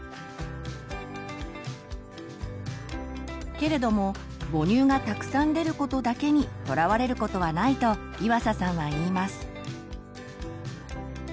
けれども母乳がたくさん出ることだけにとらわれることはないと岩佐さんは言います。